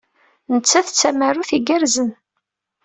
Nettat d tamarut igerrzen.